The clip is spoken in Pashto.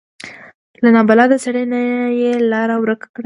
له نابلده سړي نه یې لاره ورکه کړي.